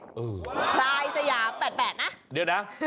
ซีรค่ะพลายสยำแปดแปดนะ